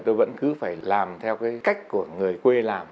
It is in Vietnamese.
tôi vẫn cứ phải làm theo cái cách của người quê làm